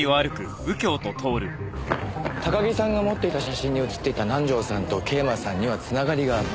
高木さんが持っていた写真に写っていた南条さんと桂馬さんには繋がりがあった。